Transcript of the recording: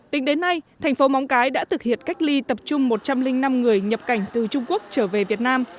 tính đến nay thành phố móng cái đã thực hiện cách ly tập trung một trăm linh năm người nhập cảnh từ trung quốc trở về việt nam